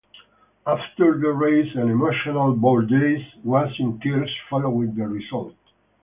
After the race an emotional Bourdais was in tears following the result.